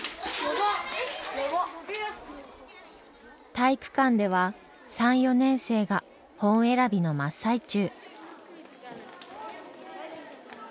体育館では３４年生が本選びの真っ最中。